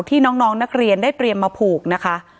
ที่น้องนักเรียนได้เตรียมมาผูกนะคะ